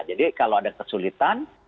jadi kalau ada kesulitan